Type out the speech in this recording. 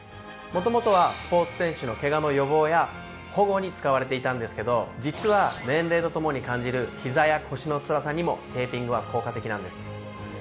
元々はスポーツ選手のケガの予防や保護に使われていたんですけど実は年齢とともに感じるひざや腰のつらさにもテーピングは効果的なんです。